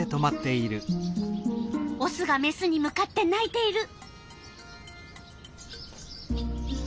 オスがメスに向かって鳴いている。